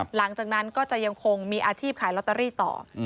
หลังจากนั้นก็จะยังคงมีอาชีพขายลอตเตอรี่ต่อ